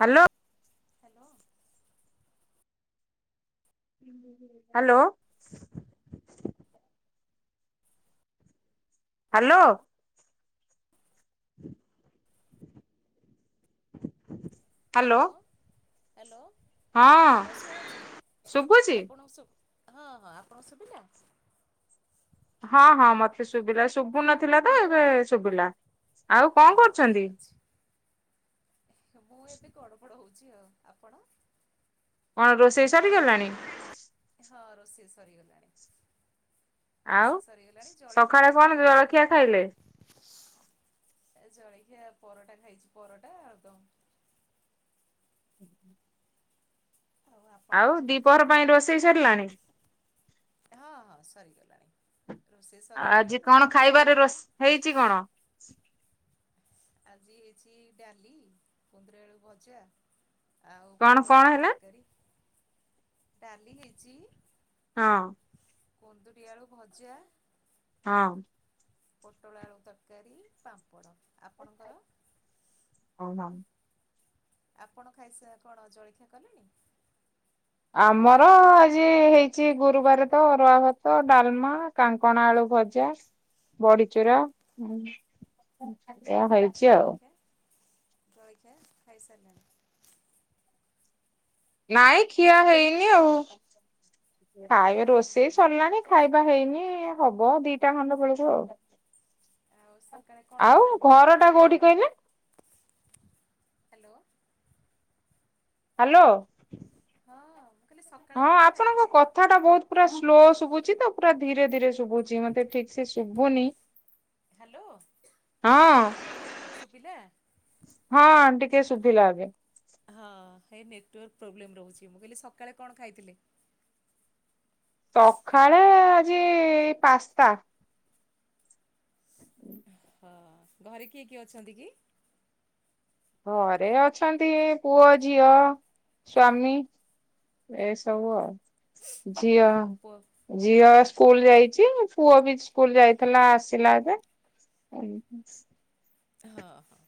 Hello. [unintelligible] Hello. Hello. [unintelligible] Hello hello hello ହଁ ମୁଁ ଶୁଣୁଛି ଶୁଭୁଛି? ଆପଣଙ୍କୁ ଶୁ ହଁ ହଁ ଆପଣ ଶୁବିଲା। ହଁ ହଁ ମତେ ଶୁଭିଲା ଶୁଭୁ ନଥିଲା ତ ଏବେ ଶୁଭିଲା। ଆଉ ହଉ କଣ ହଉ କରୁଛନ୍ତି? ଠିକ୍ ଅଛି ମୁଁ ଏବେ ଗଡପଡ ହଉ ଛି ଆଉ ଆପଣ? କଣ ରୋଷେଇ ସରି ଗଲାଣି? ହଁ ଶେଷ ହୋଇଗଲାଣି। ଆଉ ସକାଳେ କଣ ଜଳଖିଆ ଖାଇଲେ? [unintelligible] ଏ ଜଲିଖିଆ ପରଟା ଖାଇଛି ପରଟା ଆଲୁଦମ୍। ଆଉ ଆପଣ ଆଉ କଣ ଦିପହର କରୁଛନ୍ତି? ପାଇଁ ରୋଷେଇ ସରିଲାଣି। ହଁ ହଁ ସରିଗଲାଣି। ରୋଷେଇ ସରିଗଲାଣି ଆଜି ସବୁ କଣ କାମ ଖାଇବାରେ ସରିଗଲାଣି ରୋସେ ହେଇଛି କଣ? ଆଜି ହେଇଛି ଡାଲି, କୁନ୍ଦୁରି ଆଳୁ ଭଜା। ଆଉ କଣ ପୋଟଳ କଣ ଆଳୁ ହେଲା? ତରକାରୀ ଡାଲି ହେଇଛି। ହଁ। କୁନ୍ଦୁରି ଆଳୁ ଭଜା। ହଁ। ପୋଟଳ ଆଳୁ ତରକାରୀ ପାମ୍ପଡ଼, ଆପଣଙ୍କର? ଓହୋ। ଆପଣ ଖାଇସ ଆ କଣ ଜଳଖିଆ କଲେଣି? ଆମର ଆଜି ହେଇଛି ଗୁରୁବାର ତ ଅରୁଆ ଭାତ ଡାଲମା କାଙ୍କଣ ଆଳୁ ଭଜା ଚା ବଡିଚୁରା ହଁ ଏ ହେଉଛି ଆଉ। ଜଳଖିଆ ଜଳଖିଆ ଖାଇସାରିଲଣି? ନାଇଁ ଖିଆ ହେଇନି ଆଉ ଖାଇବେ ହୁଁ ରୋଷେଇ ହୁଁ ସରିଲାଣି ଖାଇ ବା ହେଇନି ହବ ଦିଟା ଖଣ୍ଡ ବେଳକୁ ଆଉ। ଆଉ ସକାଳେ କଣ ଆଉ ଖାଇଥିଲେ? ଘର ଟା କୋଉଠି କହିଲେ? ହ୍ୟାଲୋ। ହ୍ୟାଲୋ। ହଁ ମୁଁ କହିଲି ସକାଳେ ହଁ କଣ ଆପଣଙ୍କ ଖାଇଥିଲେ? କଥା ଟା ବହୁତ ପୁରା ସ୍ଲୋ ଶୁଭୁ ଚିତ ପୁରା ଧୀରେ ଧୀରେ ଶୁଭୁଛି ମତେ ଠିକ ସେ ଶୁଭୁନି। ହ୍ୟାଲୋ ହଁ ଶୁଭିଲା? ହଁ ଟି କେ ସୁଭିଲା ଏବେ। ହଁ ହେଇ ନେଟୱାର୍କ ପ୍ରୋବ୍ଲେମ୍ ରହୁଛି ମୁଁ କହିଲି ସକାଳେ କଣ ଖାଇଥିଲେ? ସକାଳେ ଆଜି ପାସ୍ତା। ହଁ ଘରେ କିଏ କିଏ ଅଛନ୍ତି କି? ଘରେ ଅଛନ୍ତି ପୁଅ ଝିଅ ସ୍ଵାମୀ। ଏସବୁ ଆଉ ହଁ ଝିଅ ପୁଅ ଝିଅ ସ୍କୁ ସ୍କୁଲ ଯାଇଚି ପୁଅ ବି ସ୍କୁଲ ଯାଇଥିଲା ଆସିଲା ଏବେ। ହଁ ହଁ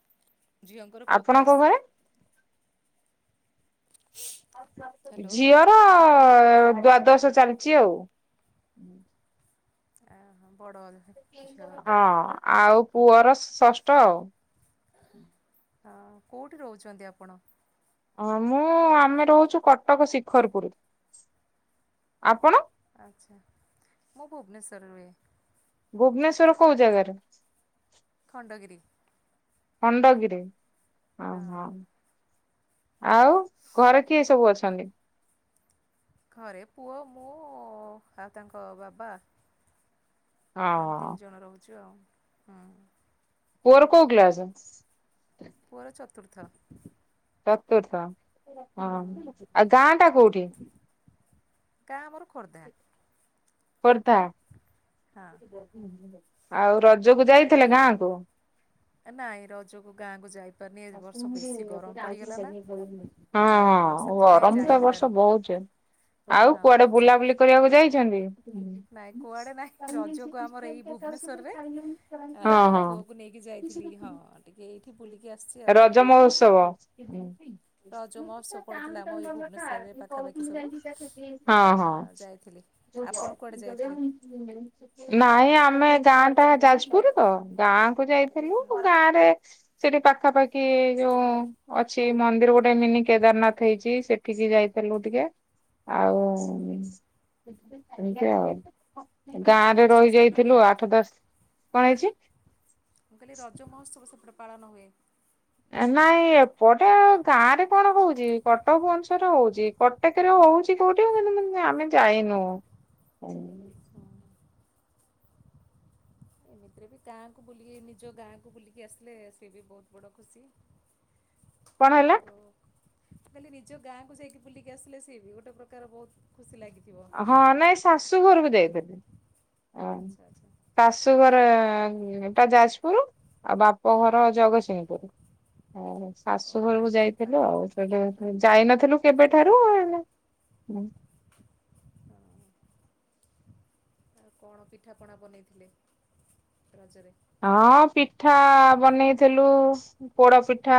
ଝିଅଙ୍କର କଉ ଆପଣଙ୍କ କ୍ଲାସ? ଘରେ ହ୍ୟାଲୋ ଝିଅର ହ ଦ୍ଵାଦଶ ଚାଲିଚି ଆଉ। ଓ ହ ବଡ଼ ବୋଧେ ହଁ ଆଉ ପୁଅ ପୁଅର ଷଷ୍ଠ ଆଉ। ହଁ କୋଉଠି ରହୁଚନ୍ତି ଆପଣ? ହଁ ମୁଁ ଆମେ ରହୁଚୁ କଟକ ଶିଖରପୁର ଆପଣ? ଆଚ୍ଛା ମୁଁ ଭୁବନେଶ୍ଵରରେ ରୁହେ। ଭୁବନେଶ୍ଵର କୋଉ ଜାଗାରେ? ଖଣ୍ଡଗିରି। ଖଣ୍ଡଗିରି ହଁ। ଓହୋ। ଆଉ ଘରେ କିଏ ସବୁ ଅଛନ୍ତି? ଘରେ ପୁଅ ମୁଁ ଆଉ ତାଙ୍କ ବାବା। ଆମେ ହଁ ତିନି ଜଣ ରହୁଛୁ ଆଉ। ହୁଁ। ପୁଅର କୋଉ କ୍ଲାସ? ପୁଅର ଚତୁର୍ଥ। ଚତୁର୍ଥ ହଁ। ହୁଁ ଆଉ ଗାଁ ଟା କୋଉଠି? ଗାଁ ଆମର ଖୋର୍ଦ୍ଧା। ଖୋର୍ଦ୍ଧା। ହଁ। ଆଉ ରଜକୁ ଯାଇଥିଲେ ଗାଁକୁ। ନାଇଁ ରଜକୁ ଗାଁକୁୁ ଯାଇନି। ହଁ ଆଉ ହଁ ସେଥିପାଇଁ ଗରମ ତ ଯାଇ ଏ ବର୍ଷ ହେଲାନି ବହୁଛି। ଆଉ ହଁ କୁଆଡ଼େ ସେ ବୁଲାବୁଲି କରିବାକୁ ଯାଇଛନ୍ତି? ନାଇଁ କୁଆଡ଼େ ନାହିଁ ରଜକୁ ଆମର ଏଇ ଭୁବନେଶ୍ୱରରେ ଆ ହଁ ହଁ। ପୁଅକୁ ନେଇକି ଯାଇଥିଲି ହଁ ଟିକେ ଏଇଠି ବୁଲିକି ଆସିଲି। ରଜ ମହୋତ୍ସବ। ରଜ ମହୋତ୍ସବ ପଡ଼ିଥିଲା ଆମ ଏଇ ଭୁବନେଶ୍ୱରରେ ପାଖାପାଖି ସବୁ। ହଁ ଆ ହଁ। ଯାଇଥିଲି ଆପଣ କୁଆଡ଼େ ଯାଇଥିଲେ? ନାଇଁ ଆ ଆମେ ଗାଁ ଟା ଯାଜପୁର ତ ଗାଁ କୁ ଯାଇଥିଲୁ ଗାଁ ରେ ସେଠି ପାଖ ପାଖାପାଖି ଯୋଉ ଅଛି ମନ୍ଦିର ଗୋଟେ ମିନି କେଦାରନାଥ ହେଇଚି ସେଠିକି ଯାଇଥିଲୁ ଟିକେ। ଆଉ ଏମିତି ଆ ଆଉ। ରଜ ଗାଁରେ ମହୋତ୍ସବ ରହି ସେପଟେ ଯାଇଥିଲୁ ହୁଏ ଆଠ ଦଶ କଣ ହେଇଚି? ମୁଁ କହିଲି ରଜ ମହୋତ୍ସବ ସେପଟେ ପାଳନ ହୁଏ। ନାଇଁ ଏପଟେ ଗାଁ ରେ କଣ କହୁଚି କଟକ ଭୁବନେଶ୍ୱର ହଉଚି କଟକରେ ହଉ ହଉଛି କୋଉଠି କିନ୍ତୁ ମୁଁ ଆମେ ଯାଇନୁ। ଏମିତିରେ ବି ଗାଁକୁ ବୁଲିକି ନିଜ ଗାଁକୁ ବୁଲିକି ଆସିଲେ ସିଏ ବି ବହୁତ ବଡ଼ ଖୁସି। ଆଉ କଣ ଖମୁଁ କହିଲି ନିଜ ଗାଁକୁ ଯାଇକି ବୁଲିକି ଆସିଲେ ସିଏ ବି ଗୋଟେ ପ୍ରକାର ବହୁତ ଖୁସି ଲାଗିଥାଏ। ହଁ ନାଇଁ ଶାଶୁ ଘରକୁ ଯାଇଥିଲୁ। ଓ ଆଚ୍ଛା ଆଚ୍ଛା ଶାଶୁଘର ଟା ଯାଜପୁର। ଆଉ ବାପ ଘର ହଁ। ଜଗତସିଂହପୁର ହଁ। ଶାଶୁ ଓହୋ ଘରକୁ ସେଇ ଯାଇଥିଲୁ ଆଉ ପାଖାପାଖି ସେଠୁ ଯାଇନଥିଲୁ କେବେଠାରୁ ହେଇନା ହଁ ଆଉ କଣ ପିଠାପଣା ବନେଇଥିଲେ ରଜରେ? ହଁ ପିଠା ବନେଇଥିଲୁ ପୋଡ଼ପିଠା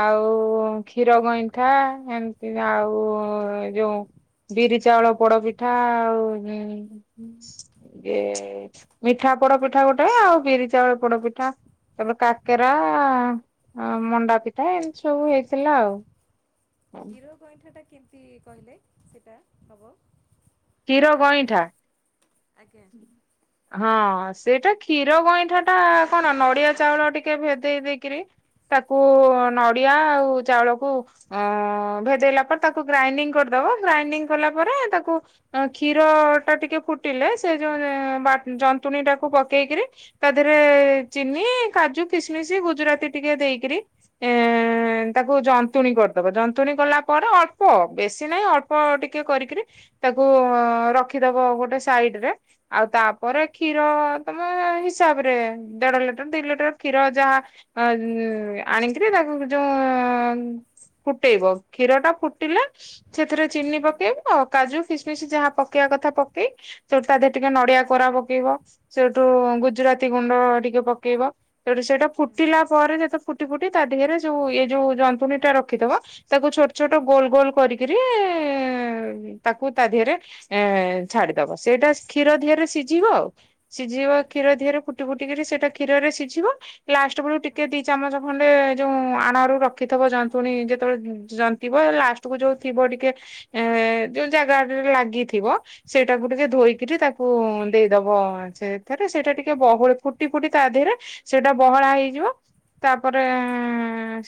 ଆଉ ଉ କ୍ଷୀର ଗଇଁଠା ଏମିତି ଆଉ ଯୋଉ ବିରି ଚାଉଳ ପୋଡପିଠା ଆଉ ଇଁ ଇଏ ମିଠା। ପୋଡ ପିଠା ଗୋଟେ ଆଉ ବିରି ଚାଉଳ ପୋଡପିଠା। ତାପରେ କାକେରା ଆ ମଣ୍ଡା ପିଠା ଏମିତି ସବୁ ହେଇଥିଲା ଆଉ। କ୍ଷୀର ଗଇଁଠା ଟା କେମିତି କହିଲେ ସେଇଟା ହବ? କ୍ଷୀର ଗଇଁଠା। ଆଜ୍ଞା। ହଁ। ସେଇଟା କ୍ଷୀର ଗଇଁଠା ଟା କଣ ନଡିଆ ଚାଉଳ ଟିକେ ଭେଦେଇ ଦେଇକିରି। ତାକୁ ନଡିଆ ଆଉ ଚାଉଳକୁ ଅ ଭେଦେଇଲା ପରେ ତାକୁ ଗ୍ରାଇଣ୍ଡିଙ୍ଗ କରିଦ- ଗ୍ରାଇଡି଼ଙ୍ଗ କଲା ପରେ ତାକୁ କ୍ଷୀରଟା ଟିକେ ଫୁଟିଲେ। ସେ ଯୋଉ ଯନ୍ତୁଣୀ ଟାକୁ ପକେଇକିରି ତା ଦେହରେ ଚିନି, କାଜୁ, କିସମିସ୍- ସେ ଗୁଜୁରାତି ଟିକେ ଦେଇକିରି ତାକୁ ଯନ୍ତୁଣୀ କରିଦବ। ଯନ୍ତୁଣୀ କଲା ପରେ- ଅଳ୍ପ ବେଶୀ ନହିଁ ଅଳ୍ପ ଟିକେ କରିକରି ତାକୁ ରଖିଦବ ଗୋଟେ ସାଇଡ଼ ରେ। ଆଉ ତାପରେ କ୍ଷୀର ତମ ହିସାବରେ ଦେଢ଼ ଲିଟର ଦି ଲିଟର କ୍ଷୀର ଯାହା- ଆଣିକିରି ତାକୁ ଯୋଉ। ଫୁଟେଇବ। କ୍ଷୀର ଟା ଫୁଟିଲେ। ସେଥିରେ ଚିନି ପକେଇବ କାଜୁ, କିସମିସ୍ ଯାହା ପକେଇବା କଥା ପକେଇ- ତା ଦେହରେ ଟିକେ ନଡି଼ଆ କୋରା ପକେଇବ। ସେଇଠୁ ଗୁଜୁରାତି ଗୁଣ୍ଡ ଟିକେ ପକେଇବ। ସେଟୁ ସେଇଟା ହୁଁ ହୁଁ ଫୁଟିଲା ପରେ ଯେତେ ଫୁଟି ଫୁଟି ତା ଦେହରେ ଯୋଉ ଏଇ ଯୋଉ ଯନ୍ତୁଣୀ ଟା ରଖିଥବ। ତାକୁ ଛୋଟ ଛୋଟ ହୁଁ ଗୋଲ ଗୋଲ କରିକି। ତାକୁ ତା ଦେହରେ ଛାଡି଼ଦବ ସେଇଟା। କ୍ଷୀର ଦିହରେ ସିଝିବ ଆଉ ସିଝିବ କ୍ଷୀରି ଦେହରେ ଆଚ୍ଛା ଫୁଟି ଫୁଟିକ ସେଇଟା କ୍ଷୀରେ ସିଝିବ ଲାଷ୍ଟ ବେଳକୁ ହଁ। ଟିକେ ଦି ଚାମଚ ଖଣ୍ଡେ ଯୋଉ ଆଣ ରୁ ରଖିଥିବ ଜନ୍ତୁଣୀ ଯେତେବେଳେ ଯନ୍ତିବ ଲାଷ୍ଟ କୁ ଯୋଉ ଥିବ ଟିକେ ଏ ଯୋଉ ଜାଗା ଲାଗିଥିବ ସେଇଟା ମୁଁ ଟିକେ ଧୋଇ ତାକୁ ଦେଇଦବ ସେଥିରେ ସେଟା ଟିକେ ବହୁ ଫୁଟି ଫୁଟି ତା ଦେହରେ ସେଟା ବ ଫ୍ରାଏ ହେଇଯିବ ତାପରେ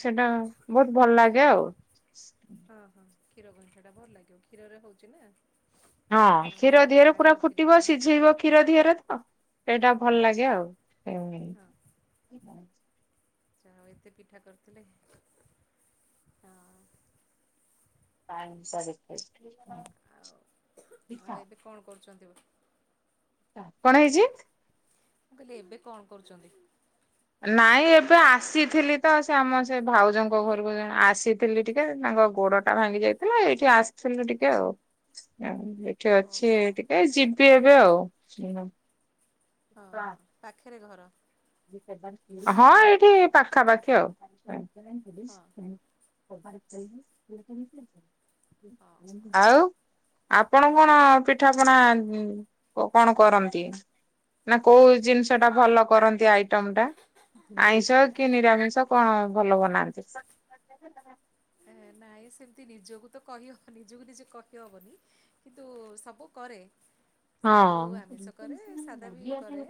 ସେଟା ବହୁତ ଭଲ ଲାଗେ ଆଉ। ହଁ ହଁ କ୍ଷୀର ଗଛା ଟା ଭଲ୍ ଲାଗିବ କ୍ଷୀରରେ ହଉଛି ନା। ହଁ କ୍ଷୀର ସେଇଟା ମୁଁ ଦିହରେ ପୁରା ଜାଣିନଥିଲି ଫୁଟିବ ହଁ ସିଝେଇବ କ୍ଷୀର ଦିହରେ ତ। ଏଇଟା ହୁଁ ଭଲ ହୁଁ ଲାଗେ ଆଉ। ଯାହଉ ଏତେ ପିଠା କରିଥିଲେ। ଟାଇମ୍ ସରିକି ଆସ୍ ଥିଲା। ଆଉ ଏବେ କଣ କରୁଛନ୍ତି। କଣ ହେଇଚି? ମୁଁ କହିଲି ଏବେ କଣ କରୁଛନ୍ତି। ନାଇଁ ଏବେ ଆସିଥିଲି ତ ସେ ଆମ ସେ ଭାଉଜଙ୍କ ଘରକୁ ଜଣ ଆସିଥିଲି ଟିକେ ତାଙ୍କ ଗୋ ଗୋଡ଼ ଟା ଭାଙ୍ଗି ଯାଇଥିଲା। ଏଇଠି ଆସିଥିଲୁ ଟିକେ ଆଉ। ଏଠି ଅଛି ଓହୋ ଟିକେ ଯିବି ଏବେ ଆଉ। ଓ ହୋ ପାଖରେ ଘର। ହଁ ଏଇଠି ପାଖାପାଖି ଆଉ। ହଁ ହଁ ହଁ। ଆଉ। ଆପଣ କଣ ପିଠାପଣା କଣ କରନ୍ତି? ନା କୋଉ ଜିନିଷ ଟା ଭଲ କରନ୍ତି। ଆଇଟମ୍ ଟା ଆଇଁଷ କି ନିରାମିଷ କଣ ଭଲ ବନାନ୍ତି। [inaudible] ନାଇଁ ସେମିତି ନିଜକୁ ତ କହି ହବନି ନିଜକୁ ନିଜେ କହିହେବନି କିନ୍ତୁ, ସବୁ କରେ। ହଁ। ସବୁ ଆମିଷ କରେ ସାଦା ବି କରେ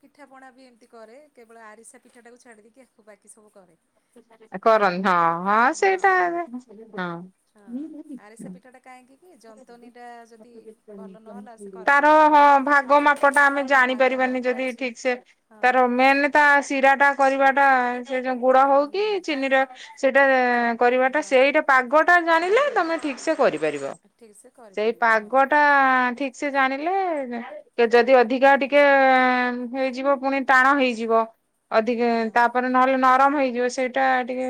ପିଠାପଣା ବି ଏମିତି କ କେବଳ ଆରିଷା ପିଠା ଟାକୁ ଛାଡ଼ି ଦେଇକି ଆଉ ବାକି ସବୁ କରେ। କରନି ହଁ ହଁ ସେଇଟା ଏବେ ଆରିସା ହଁ। ପିଠାଟା କାହିଁକି କି ଯନ୍ତନୀଟା ଯଦି ଭଲ ନହେଲା ସେ ଖରାପ ତାର ହେଇଯିବ ହଁ ଭାଗ ମାପ ଟା ଆମେ ଭାଗ ଜାଣିପାରିବା। ମାପ ଯଦି ଅଛି ଠିକ ସେ ହଁ ତାର ମେନ୍ ତା ଶିରା ଟା କରିବା ଟା ସେ ଯୋଉ ଗୁଡ ହଉ ହୁଁ କି ଚିନି ର ସେଇଟା ଯ କରିବାଟା ହଁ ସେଇଟା ପାଗ ଟା ଜାଣିଲେ ତମେ ଠିକ ସେ କରିପାରିବ। ଠିକ୍ ସେ ସେଇ କରିପାରିବ ହଁ ପାଗ ଟା ଠିକ ସେ ଜାଣିଲେ ଯଦି ଅଧିକା କରିବ ଟିକେ ହେଇଯିବ ପୁଣି ଟାଣ ହେଇଯିବ। ଅଧିକା ହଁ। ତାପରେ ନହେଲେ ନରମ ହେଇଯିବ ସେଇଟା ଟିକେ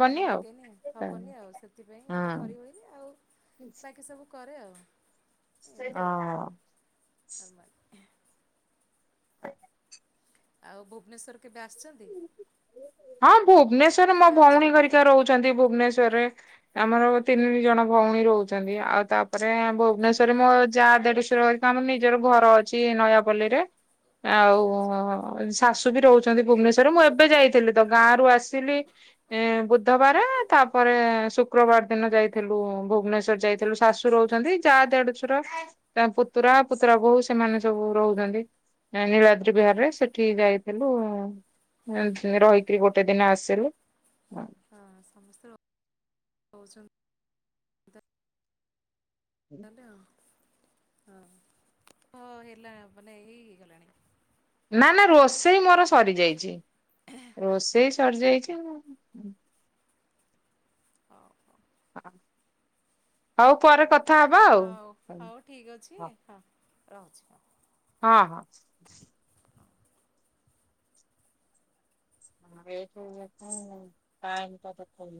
ଭଲ ଆଉ। ଲାଗେନି ହଁ ହବନି ଆଉ ସେଥିପାଇଁ ଏଇଟା କରିବଏନି ଆଉ ବାକି ସବୁ କରେ ଆଉ ଓ ଏମିତି ଆଉ ଆ ମାର ଆଉ ଭୁବନେଶ୍ୱର କେବେ ଆସିଛନ୍ତି। ହଁ ଭୁବନେଶ୍ୱରରେ ମୋ କିଏ ଭଉଣୀ ଅଛନ୍ତି କରିକା ରହୁଛନ୍ତି। ଭୁବନେଶ୍ୱରରେ ଆମର ତିନି ଜଣ ଭଉଣୀ ରହୁଛନ୍ତି ଆଉ ତାପରେ ଭୁବନେଶ୍ଵରରେ ମୋ ଯାହା ଦେଢଶଵର କରି ଆମର ନିଜର ଘର ଅଛି ନୟାପଲ୍ଲୀରେ ଆଉ ଆଚ୍ଛା ଶାଶୁ ବି ରହୁଛନ୍ତି ଭୁବନେଶ୍ଵରରେ ମୁଁ ଏବେ ଯାଇଥିଲି। ତ ଗାଁ ରରୁ ଆସିଲି ଏ ବୁଧବାର ତାପରେ ଶୁକ୍ରବାର ଦିନ ଯାଇଥିଲୁ। ଭୁବନେଶ୍ଵର ଯାଇଥିଲୁ ଶାଶୁ ରହୁଛନ୍ତି ଯାହା ଦେଢ ସୁର ତା ପୁତୁରା ପୁତୁରା ବୋଉ ସେମାନେ ସବୁ ରହୁଛନ୍ତି ନୀଳାଦ୍ରି ଓହୋ ବିହାରରେ ହୋ ସେଠି ଯାଇଥିଲୁ ରହି କି ଗୋଟେ ଦିନ ଆସିଲୁ। ହଁ ସମସ୍ତେ ରହୁଚନ୍ତି ତ ଲେ ହଁ ହ ହେଲାଣି ମାନେ ଏଇ ହେଇଗଲଣି। ନା ନା ରୋଷେଇ ମୋର ସରିଯାଇଚି। ଆଚ୍ଛା ରୋଷେଇ ଆଚ୍ଛା ସରିଯାଇଚି। ହୁଁ। ହଉ ହଉ। ହଉ ପରେ କଥା ହବା ଆଉ ହଉ ହଉ ଠିକ ଅଛି। ହଁ ରହୁଛି ହଉ। ହଁ ହଁ। କମ ତ ଖ